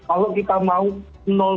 kalau kita mau nolok